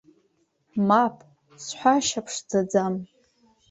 Мап, сҳәашьа ԥшӡаӡам.